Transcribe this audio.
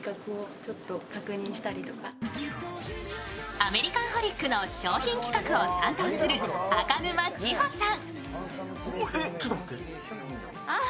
アメリカンホリックの商品企画を担当する赤沼千帆さん。